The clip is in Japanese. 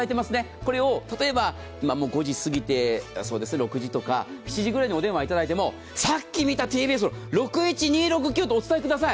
これを例えば、５時過ぎて、６時とか７時くらいにお電話いただいてもさっき見たＴＢＳの６１２６９とお伝えください。